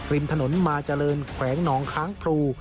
ริมถนนมาเจริญแขวงหนองค้างพลู